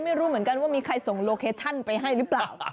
ไม่รู้เหมือนกันว่ามีใครส่งโลเคชั่นไปให้หรือเปล่า